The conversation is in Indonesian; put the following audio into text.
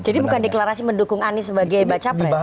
jadi bukan deklarasi mendukung anies sebagai baca pelajaran